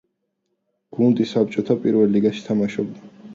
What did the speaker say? გუნდი საბჭოთა პირველ ლიგაში თამაშობდა.